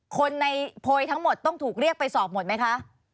คนในโพยทั้งหมดต้องถูกเรียกไปสอบหมดไหมคะ